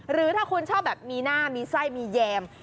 หรือถ้าคุณชอบแบบมีหน้ามีไส้มีแยม